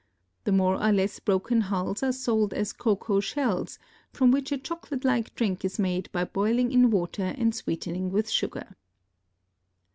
The more or less broken hulls are sold as cocoa shells, from which a chocolate like drink is made by boiling in water and sweetening with sugar.